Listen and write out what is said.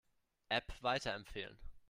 App weiterempfehlen.